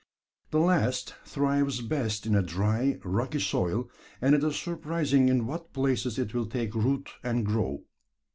The last thrives best in a dry, rocky soil and it is surprising in what places it will take root and grow.